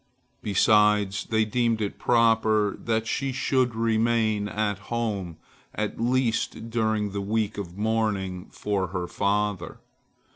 Besides, they deemed it proper that she should remain at home at least during the week of mourning for her father.